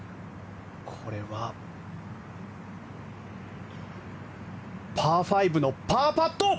これはパー５のパーパット。